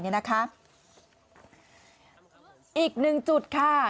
อีกหนึ่งจุดค่ะ